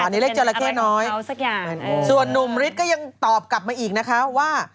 เรียกเจอลาเค่น้อยและส่วนนุ่มฤทธิ์ก็ยังตอบกลับมาอีกนะคะว่า